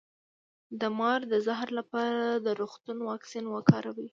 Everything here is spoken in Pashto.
د مار د زهر لپاره د روغتون واکسین وکاروئ